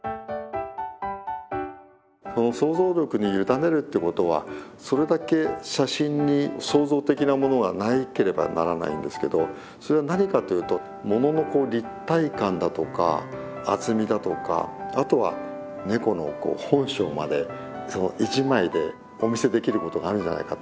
想像力に委ねるってことはそれだけ写真に創造的なものがなければならないんですけどそれは何かというとものの立体感だとか厚みだとかあとはネコの本性まで１枚でお見せできることがあるんじゃないかと思うんです。